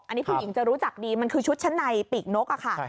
อันนี้ผู้หญิงจะรู้จักดีมันคือชุดชั้นในปีกนกอะค่ะ